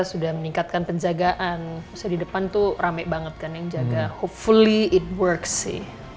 sudah meningkatkan penjagaan sedepan tuh rame banget kan yang jaga hopefully it works sih